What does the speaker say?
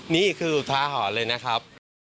นี่คือท้าหอดเลยนะครับ